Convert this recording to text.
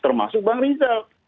termasuk bang rizal